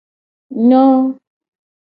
Nyo.